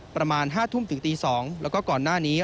ประมาณ๕ทุ่มถึงตี๒แล้วก็ก่อนหน้านี้